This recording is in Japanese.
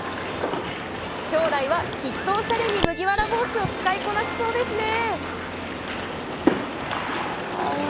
将来は、きっとおしゃれに麦わら帽子を使いこなしそうですね。